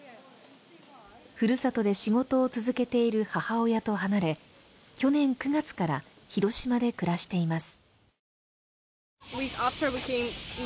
ふるさとで仕事を続けている母親と離れ、去年９月から広島で暮らしています。